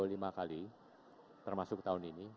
jadi empat atau lima kali termasuk tahun ini